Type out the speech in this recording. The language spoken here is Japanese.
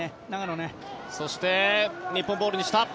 そして、日本ボールにした。